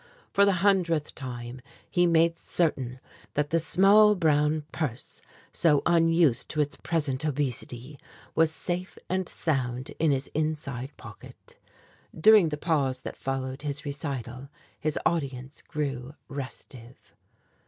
For the hundredth time he made certain that the small brown purse, so unused to its present obesity, was safe and sound in his inside pocket. During the pause that followed his recital, his audience grew restive.